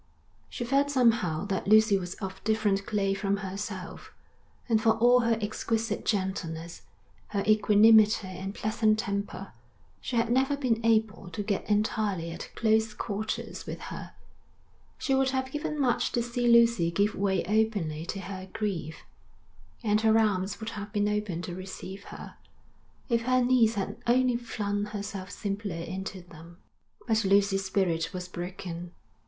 She felt somehow that Lucy was of different clay from herself, and for all her exquisite gentleness, her equanimity and pleasant temper, she had never been able to get entirely at close quarters with her. She would have given much to see Lucy give way openly to her grief; and her arms would have been open to receive her, if her niece had only flung herself simply into them. But Lucy's spirit was broken.